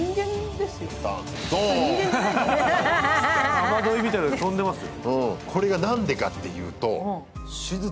雨どいみたいなので跳んでますよ。